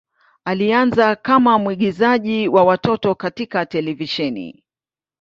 Alianza kama mwigizaji wa watoto katika televisheni.